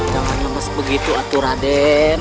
jangan emas begitu atu raden